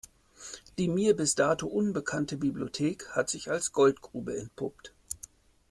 Die mir bis dato unbekannte Bibliothek hat sich als Goldgrube entpuppt.